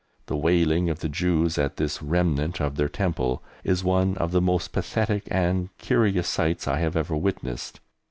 The wailing of the Jews at this remnant of their Temple is one of the most pathetic and curious sights I have ever witnessed.